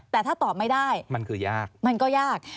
แต่ถ้าตอบไม่ได้มันก็ยาก